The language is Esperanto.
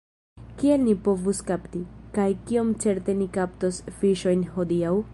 Kiel ni povus kapti, kaj kiom certe ni kaptos fiŝojn hodiaŭ?